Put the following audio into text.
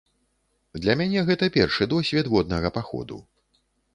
Для мяне гэта першы досвед воднага паходу.